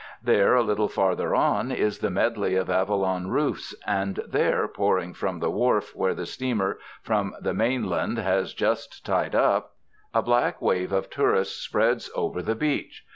There a little further on is the medley of Avalon roofs, and there pouring from the wharf where the steamer from the mainland has just tied 176 WINTER ON THE ISLE OF SUMMER up, a black wave of tourists spreads over the beach.